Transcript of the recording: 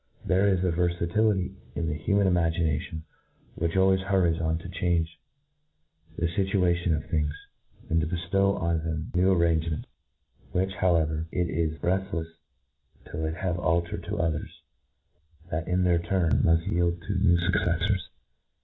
There is a verfatility in the human imagination which always hurries on to change the fituations of things, and to beftow on them new arrangements, ivhich however it is reftlefs till it have altered to others, that w their turn mull yield to new fucceffors.